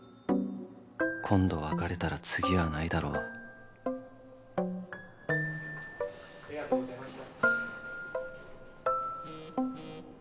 今度別れたら次はないだろうありがとうございました。